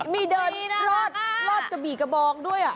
มีเดินรอดกระบี่กระบองด้วย